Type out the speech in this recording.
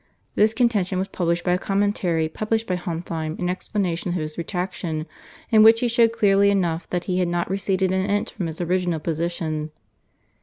This contention was supported by a commentary published by Hontheim in explanation of his retractation, in which he showed clearly enough that he had not receded an inch from his original position.